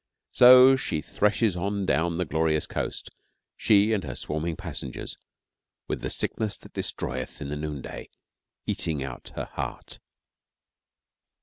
So she threshes on down the glorious coast, she and her swarming passengers, with the sickness that destroyeth in the noonday eating out her heart.